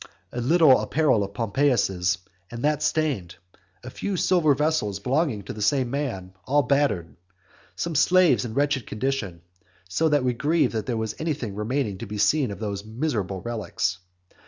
A little apparel of Pompeius's, and that stained, a few silver vessels belonging to the same man, all battered, some slaves in wretched condition, so that we grieved that there was anything remaining to be seen of these miserable relics.